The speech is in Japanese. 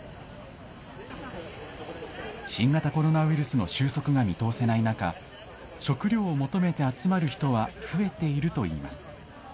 新型コロナウイルスの収束が見通せない中、食料を求めて集まる人は増えているといいます。